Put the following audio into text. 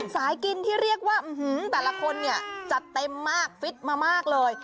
สายกินที่เรียกว่าอื้อฮือแต่ละคนจะเต็มมากฟิตมามากเลย